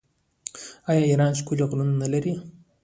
آیا ایران ښکلي غرونه نلري؟